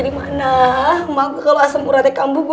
dimana maka kalau asem uratnya kamu